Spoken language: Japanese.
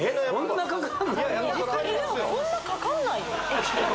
こんなかかんないよ